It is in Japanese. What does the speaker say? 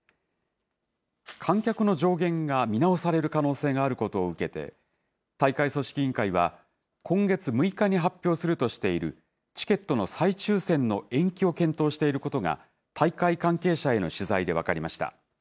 観客の上限が見直される可能性があることを受けて、大会組織委員会は、今月６日に発表するとしているチケットの再抽せんの延期を検討していることが、大会関係者への取材で分かりました。